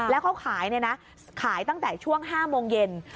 แล้วเขาขายขายตั้งแต่ช่วง๕โมงเย็น